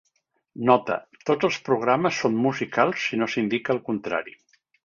Nota: tots els programes són musicals si no s'indica el contrari.